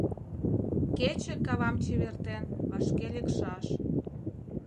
Кече кавам чевертен, вашке лекшаш.